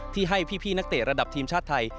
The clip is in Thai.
ที่ให้พี่นักเตะระดับทีมชาติไทย